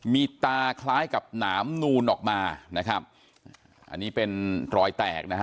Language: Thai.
มีตาคล้ายกับหนามนูนออกมานะครับอันนี้เป็นรอยแตกนะฮะ